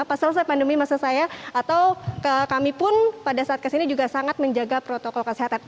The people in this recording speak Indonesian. pas selesai pandemi masa saya atau kami pun pada saat kesini juga sangat menjaga protokol kesehatan